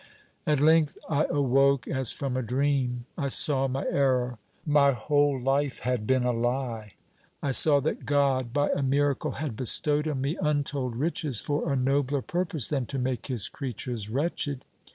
"At length I awoke, as from a dream. I saw my error. My whole life had been a lie. I saw that God by a miracle had bestowed on me untold riches for a nobler purpose than to make his creatures wretched.